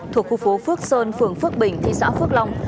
thuộc khu phố phước sơn phường phước bình thị xã phước long